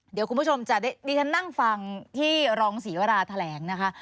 เดี๋ยวคุณผู้ชมจะได้ดิฉันนั่งฟังที่รองศรีวราแถลงนะคะ